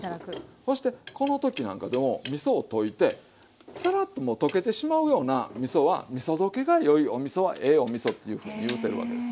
そしてこの時なんかでもみそを溶いてサラッともう溶けてしまうようなみそはみそ溶けがよいおみそはええおみそっていうふうにいうてるわけですね